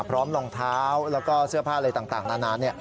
รองเท้าแล้วก็เสื้อผ้าอะไรต่างนานา